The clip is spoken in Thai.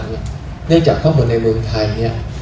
เนื่องจากข้อมูลในเมืองไทยเนี่ย